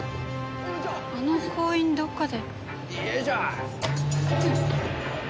あの工員どこかで。